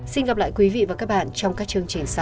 xin gặp lại quý vị và các bạn trong các chương trình sau